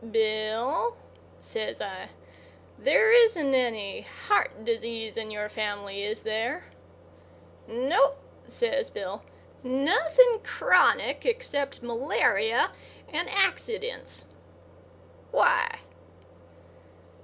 "Bill," says I, "there isn't any heart disease in your family, is there? "No," says Bill, "nothing chronic except malaria and accidents. Why?"